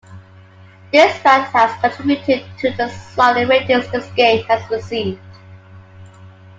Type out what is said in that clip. This fact has contributed to the solid ratings this game has received.